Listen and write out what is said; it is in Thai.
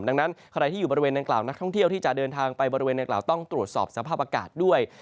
ดังนั้นใครที่อยู่บริเวณดังกล่าวนักท่องเที่ยวที่จะเดินทางไปบริเวณนางกล่าวต้องตรวจสอบสภาพอากาศด้วย